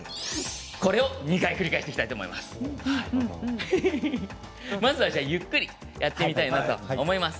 これを２回繰り返していきたいと思います。